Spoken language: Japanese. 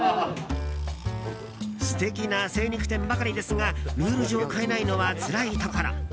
素敵な精肉店ばかりですがルール上、買えないのはつらいところ。